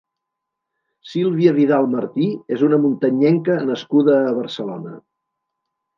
Sílvia Vidal Martí és una muntanyenca nascuda a Barcelona.